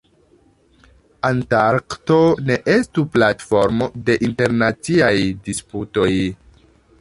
Antarkto ne estu platformo de internaciaj disputoj.